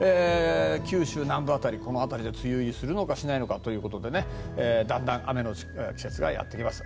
九州南部辺りこの辺りで梅雨入りするのかしないのかということでだんだん雨の季節がやってきます。